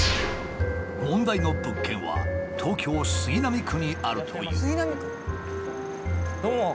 問題の物件は東京杉並区にあるという。